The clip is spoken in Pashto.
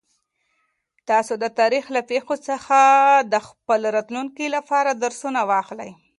تاسو د تاریخ له پېښو څخه د خپل راتلونکي لپاره درسونه واخلئ.